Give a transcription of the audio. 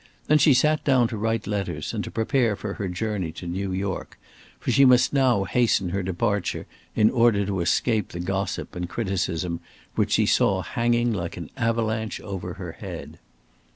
Then she sat down to write letters and to prepare for her journey to New York, for she must now hasten her departure in order to escape the gossip and criticism which she saw hanging like an avalanche over her head.